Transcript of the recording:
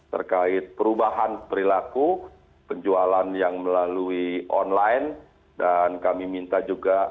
terkait perubahan perilaku penjualan yang melalui online dan kami minta juga